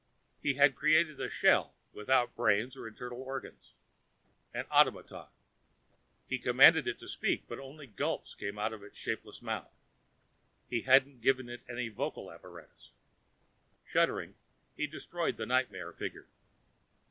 He had created a shell without brains or internal organs, an automaton. He commanded it to speak, but only gulps came from the shapeless mouth; he hadn't given it any vocal apparatus. Shuddering, he destroyed the nightmare figure.